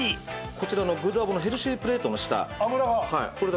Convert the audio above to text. こちらのグルラボのヘルシープレートの下。